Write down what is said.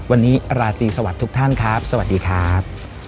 วันนี้ราตรีสวัสดีทุกท่านครับสวัสดีครับ